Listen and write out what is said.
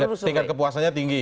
tingkat kepuasannya tinggi